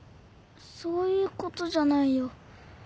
そういうことじゃないよ。